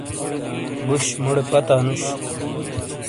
بُش مُوڑے پتا نُش۔